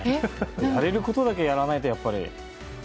やれることだけやらないと、やっぱり。